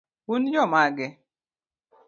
un jomage?